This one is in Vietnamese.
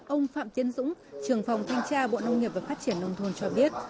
ông phạm tiến dũng trường phòng thanh tra bộ nông nghiệp và phát triển nông thôn cho biết